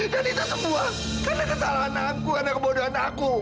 dan itu semua karena kesalahan aku karena kebodohan aku